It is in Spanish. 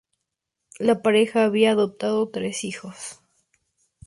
La pareja había adoptado tres hijos.